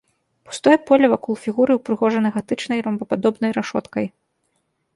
Пустое поле вакол фігуры ўпрыгожана гатычнай ромбападобнай рашоткай.